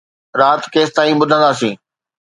رات ڪيستائين ٻڌنداسين؟